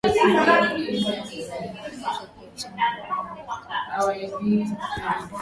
Hivyo kama jamii wanapaswa kuachana nazo kwa sababu hazina faida